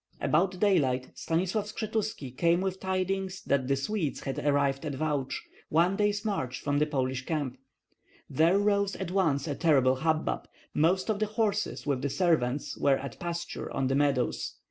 About daylight Stanislav Skshetuski came with tidings that the Swedes had arrived at Valch, one day's march from the Polish camp. There rose at once a terrible hubbub; most of the horses with the servants were at pasture on the meadows.